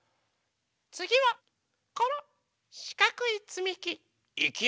つぎはこのしかくいつみき。